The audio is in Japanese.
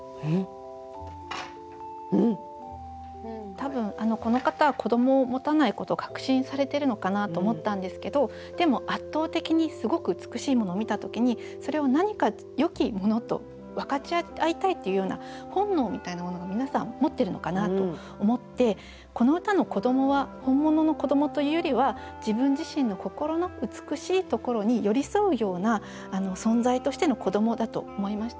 多分この方は子どもを持たないことを確信されてるのかなと思ったんですけどでも圧倒的にすごく美しいものを見た時にそれを何かよき者と分かち合いたいっていうような本能みたいなものが皆さん持ってるのかなと思ってこの歌の子どもは本物の子どもというよりは自分自身の心の美しいところに寄り添うような存在としての子どもだと思いました。